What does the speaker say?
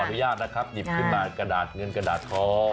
ผมขออนุญาตนะครับหยิบกระดานเงินกระดาษทอง